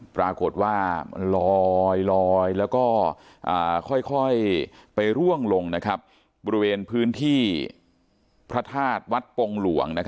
ปรากฏว่ามันลอยแล้วก็ค่อยไปร่วงลงบริเวณพื้นที่พระธาตุวัดปงหลวง